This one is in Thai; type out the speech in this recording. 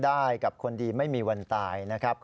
นายยกรัฐมนตรีพบกับทัพนักกีฬาที่กลับมาจากโอลิมปิก๒๐๑๖